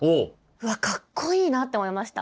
うわかっこいいなって思いました。